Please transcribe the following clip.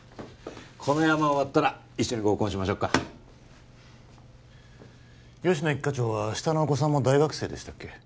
このヤマ終わったら一緒に合コンしましょっか吉乃一課長は下のお子さんも大学生でしたっけ？